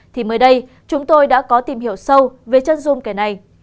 thì mới đây chúng tôi đã có tìm hiểu sâu về chân dung kẻ này